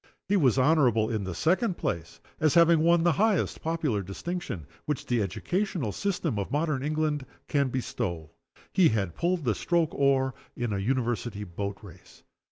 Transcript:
He was honorable, in the second place, as having won the highest popular distinction which the educational system of modern England can bestow he had pulled the stroke oar in a University boat race.